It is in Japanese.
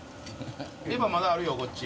レバーまだあるよこっち。